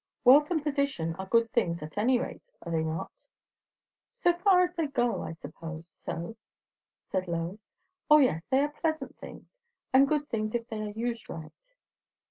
"Wealth and position are good things at any rate, are they not?" "So far as they go, I suppose so," said Lois. "O yes, they are pleasant things; and good things, if they are used right."